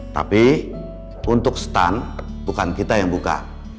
tapi untuk stun bukan kita yang buka